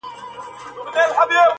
شبنچي زړه چي پر گيا باندې راوښويدی